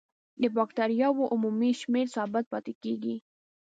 د بکټریاوو عمومي شمېر ثابت پاتې کیږي.